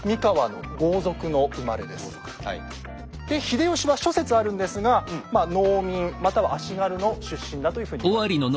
で秀吉は諸説あるんですが農民または足軽の出身だというふうに言われています。